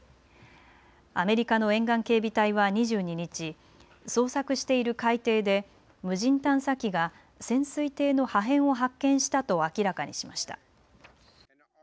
アメリカの沿岸警備隊は２２日、捜索している海底で無人探査機が潜水艇の破片を発見したと明らかにしました。